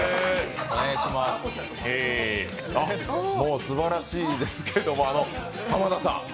もうすばらしいですけども浜田さん。